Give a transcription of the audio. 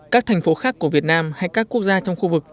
các thành phố khác của việt nam hay các quốc gia trong khu vực